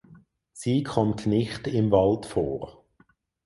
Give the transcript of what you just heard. Sie kommt nicht im Wald vor.